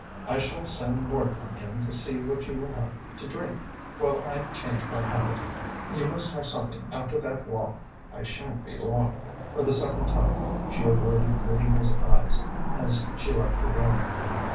I shall send Morton in to see what you will have to drink, while I change my habit. You must have something after that walk. I shan't be long." For the second time she avoided meeting his eves as she left the room.